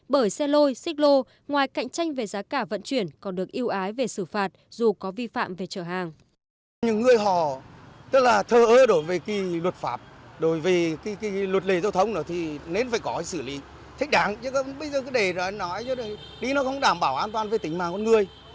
bởi xe lôi xích lô ngoài cạnh tranh về giá cả vận chuyển còn được yêu ái về xử phạt dù có vi phạm về chở hàng